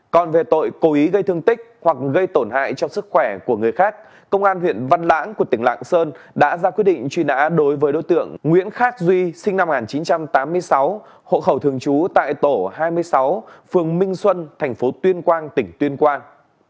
còn về tội cố ý gây thương tích hoặc gây tổn hại cho sức khỏe của người khác công an huyện văn lãng của tỉnh lạng sơn đã ra quyết định truy nã đối với đối tượng nguyễn khắc duy sinh năm một nghìn chín trăm tám mươi sáu hộ khẩu thường trú tại tổ hai mươi sáu phường minh xuân thành phố tuyên quang tỉnh tuyên quang